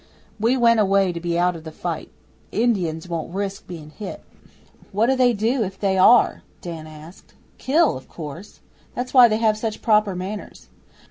We went away to be out of the fight. Indians won't risk being hit.' 'What do they do if they are?' Dan asked. 'Kill, of course. That's why they have such proper manners.